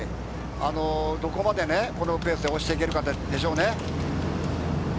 どこまでこのペースで押していけるかでしょうね。